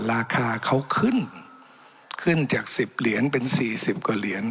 ราคาเขาขึ้นขึ้นจาก๑๐เหรียญเป็นสี่สิบกว่าเหรียญ